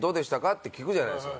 って聞くじゃないですか。